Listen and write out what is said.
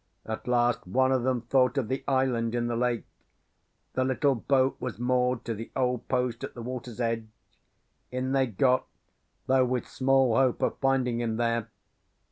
"At last one of them thought of the island in the lake; the little boat was moored to the old post at the water's edge. In they got, though with small hope of finding him there.